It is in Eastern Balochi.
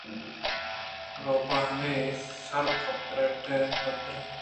روباہے سرکپتیتھیٹرےءَ پُترت